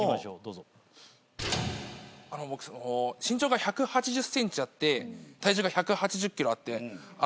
あの僕その身長が１８０ｃｍあって体重が１８０ｋｇあって同じなんすよ。